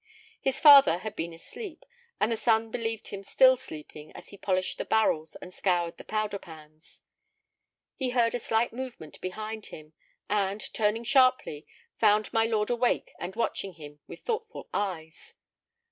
His father had been asleep, and the son believed him still sleeping as he polished the barrels and scoured the powder pans. He heard a slight movement behind him, and, turning sharply, found my lord awake and watching him with thoughtful eyes.